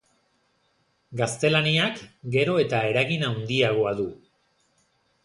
Gaztelaniak gero eta eragin handiagoa du.